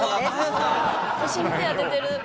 腰に手当ててる。